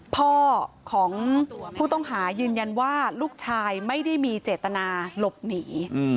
พ่อของผู้ต้องหายืนยันว่าลูกชายไม่ได้มีเจตนาหลบหนี